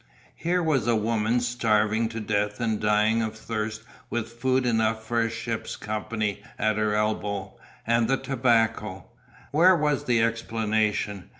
Here was a woman starving to death and dying of thirst with food enough for a ship's company at her elbow. And the tobacco! Where was the explanation?